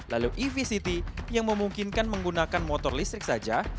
lalu ev city yang memungkinkan menggunakan motor listrik saja